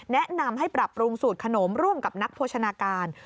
แนะนำให้ปรับปรุงสูตรขนมร่วมกับนักโภชนาการ